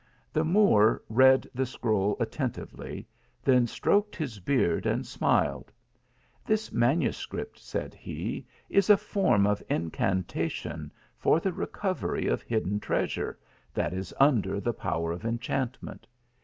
The Moor read the scroll attentively, then stroked his beard and smiled. " This manuscript," said he, " is a form of incantation for the recovery of hidden treasure, that is under the power of enchantment.